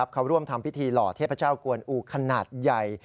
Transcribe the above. เขาร่วมทำพิธีหล่อเทพเจ้ากวนอูขนาดใหญ่